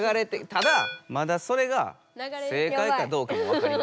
ただまだそれが正解かどうかもわかりません。